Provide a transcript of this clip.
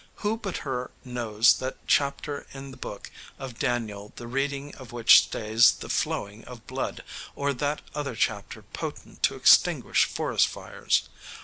Who but her knows that chapter in the book of Daniel the reading of which stays the flowing of blood, or that other chapter potent to extinguish forest fires?